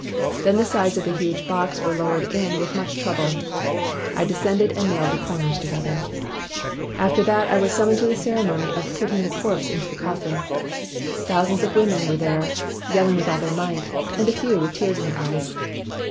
Then the sides of the huge box were lowered in with much trouble. I descended and nailed the corners together. "After that I was summoned to the cere mony of putting the corpse into the coffin. Thousands of women were there, yelling with all their might, and a few with tears in their eyes.